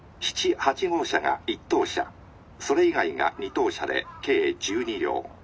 ７８号車が１等車それ以外が２等車で計１２両。